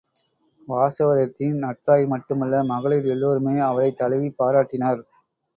வாசவதத்தையின் நற்றாய் மட்டுமல்ல மகளிர் எல்லோருமே அவளைத் தழுவிப் பாராட்டினர்.